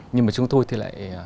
nhưng mà chúng tôi thì lại